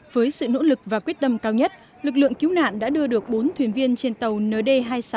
với sự nỗ lực và quyết tâm cao nhất lực lượng cứu nạn đã đưa được bốn thuyền viên trên tàu nd hai nghìn sáu trăm hai mươi sáu